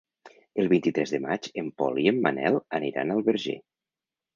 El vint-i-tres de maig en Pol i en Manel aniran al Verger.